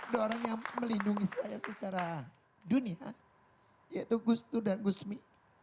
dua orang yang melindungi saya secara dunia yaitu gus dur dan gusmi